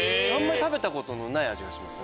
食べたことない味がします